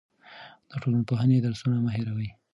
د ټولنپوهنې درسونه مه هېروئ.